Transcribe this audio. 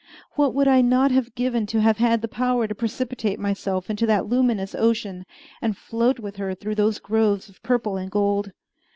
What would I not have given to have had the power to precipitate myself into that luminous ocean and float with her through those grooves of purple and gold!